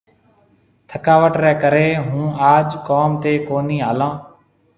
ٿڪاوٽ ريَ ڪريَ هُون اج ڪوم تي ڪونَي هالون۔